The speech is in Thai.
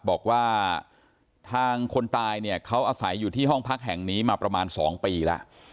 บอกว่าทางคนตายเนี่ยเขาอาศัยอยู่ที่ห้องพักแห่งนี้มาประมาณ๒ปีแล้ว